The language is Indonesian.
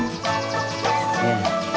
siapa kali siang menit